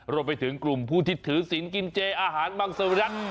รวมไปถึงกลุ่มผู้ที่ถือศิลป์กินเจอาหารมังสวิรัติ